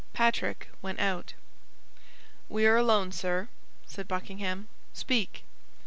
Patrick went out. "We are alone, sir," said Buckingham; "speak!"